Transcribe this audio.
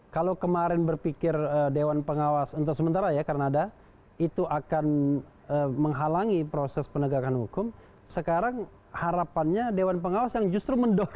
kalau kemarin berpikir dewan pengawas untuk sementara ya karena ada itu akan menghalangi proses penegakan hukum sekarang harapannya dewan pengawas yang justru mendorong